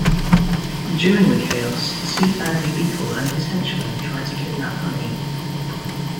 During the chaos C. Bagley Beetle and his henchmen try to kidnap Honey.